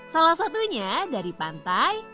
salah satunya dari pantai